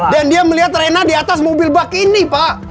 dan dia melihat renang di atas mobil bak ini pak